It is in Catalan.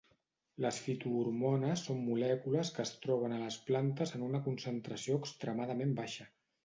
Les fitohormones són molècules que es troben a les plantes en una concentració extremadament baixa.